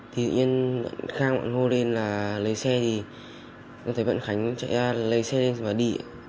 thì dự nhiên khang con hô lên là lấy xe thì con thấy bận khánh chạy ra lấy xe lên và đi